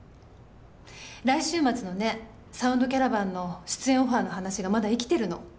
来週末のね「サウンドキャラバン」の出演オファーの話がまだ生きてるの。